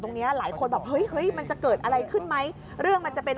เนี้ยหลายคนแบบเฮ้ยเฮ้ยมันจะเกิดอะไรขึ้นไหมเรื่องมันจะเป็น